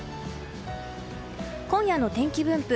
今夜の天気分布。